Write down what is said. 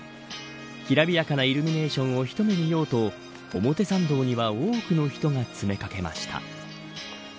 きらびやかなイルミネーションを一目見ようと表参道には多くの人が詰め掛けました。